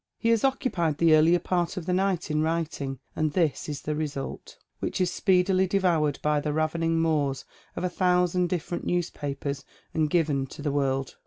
He has occupied the earlier part of the night in writing, and this is the result, which is speedily devoured by the ravening maws of a thousand different newspapers and given to the world.